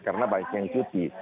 karena banyak yang cuti